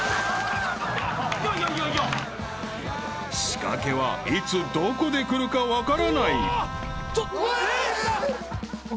［仕掛けはいつどこでくるか分からない］